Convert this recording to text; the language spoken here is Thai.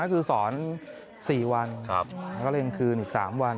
ก็ทำ๓อย่างก็